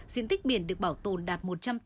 diện tích biển được bảo tồn đạt